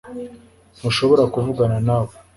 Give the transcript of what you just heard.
ntushobora kuvugana nawe